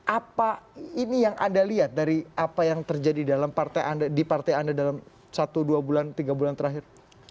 apa ini yang anda lihat dari apa yang terjadi di partai anda dalam satu dua bulan tiga bulan terakhir